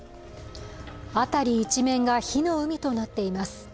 辺り一面が火の海となっています。